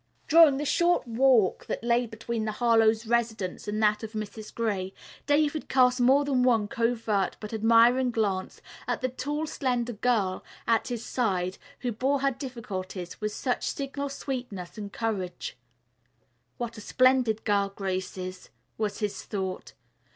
During the short walk that lay between the Harlowe's residence and that of Mrs. Gray, David cast more than one covert but admiring glance at the tall, slender girl at his side who bore her difficulties with such signal sweetness and courage. "What a splendid girl Grace is," was his thought.